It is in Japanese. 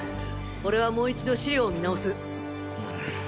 俺はもう一度資料を見直す。